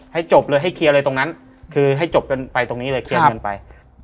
ให้จบเลยให้เคลียร์อะไรตรงนั้นคือให้จบกันไปตรงนี้เลยเคลียร์กันไป